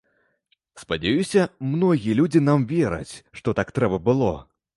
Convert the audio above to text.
Спадзяюся, многія людзі нам вераць, што так трэба было.